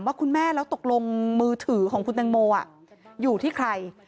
ว่าคุณแม่แล้วตกลงมือถือของคุณตังโมอยู่ที่ใคร